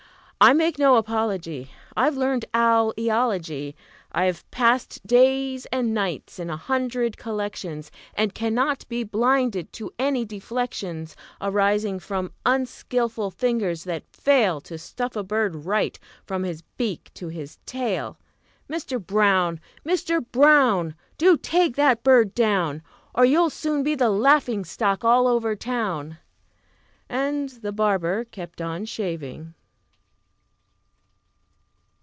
I make no apology; I've learned owl eology. I've passed days and nights in a hundred collections, And cannot be blinded to any deflections Arising from unskilful fingers that fail To stuff a bird right, from his beak to his tail. Mister Brown! Mister Brown! Do take that bird down, Or you'll soon be the laughing stock all over town!" And the barber kept on shaving.